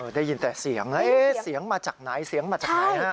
ได้ยินแต่เสียงแล้วเสียงมาจากไหนเสียงมาจากไหนฮะ